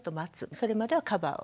それまではカバーを。